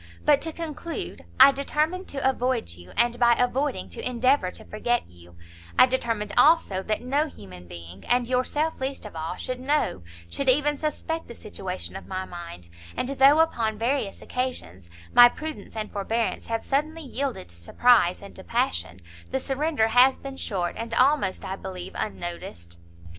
But to conclude; I determined to avoid you, and, by avoiding, to endeavour to forget you; I determined, also, that no human being, and yourself least of all, should know, should even suspect the situation of my mind; and though upon various occasions, my prudence and forbearance have suddenly yielded to surprise and to passion, the surrender has been short, and almost, I believe, unnoticed.